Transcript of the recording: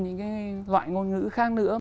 những cái loại ngôn ngữ khác nữa